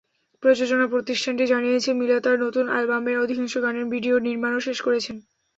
প্রযোজনা প্রতিষ্ঠানটি জানিয়েছে, মিলা তাঁর নতুন অ্যালবামের অধিকাংশ গানের ভিডিও নির্মাণও শেষ করেছেন।